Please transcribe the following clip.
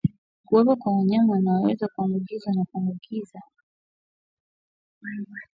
Kuwepo kwa wanyama wanaoweza kuambukizwa na kuambukiza husababisha ugonjwa wa Brusela